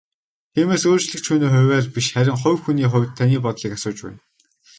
Тиймээс үйлчлэгч хүний хувиар биш харин хувь хүний хувьд таны бодлыг асууж байна.